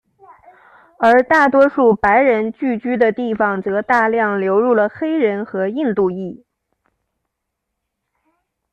而大多数白人聚居的地方则大量流入了黑人和印度裔。